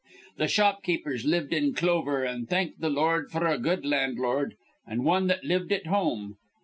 Th' shopkeepers lived in clover, an' thanked th' lord f'r a good landlord, an' wan that lived at home.